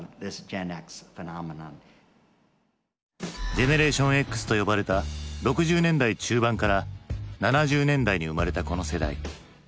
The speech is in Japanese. ジェネレーションＸと呼ばれた６０年代中盤から７０年代に生まれたこの世代。